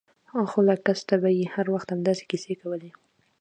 خو له کسته به يې هر وخت همداسې کيسې کولې.